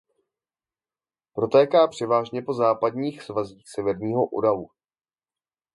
Protéká převážně po západních svazích Severního Uralu.